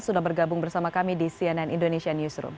sudah bergabung bersama kami di cnn indonesia newsroom